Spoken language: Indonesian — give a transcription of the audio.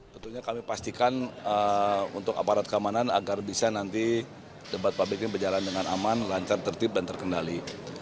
tentunya kami pastikan untuk aparat keamanan agar bisa nanti debat publik ini berjalan dengan aman lancar tertib dan terkendali